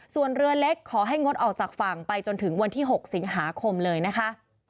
ส่วนเรือเล็กขอให้งดออกจากฝั่งไปจนถึงวันที่๖สิงหาคมเลยนะคะ